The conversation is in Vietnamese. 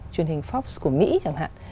truyền hình fox của mỹ chẳng hạn